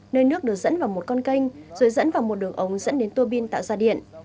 nơi nước được dẫn vào một con kênh rồi dẫn vào một đường ống dẫn đến tua pin tạo ra điện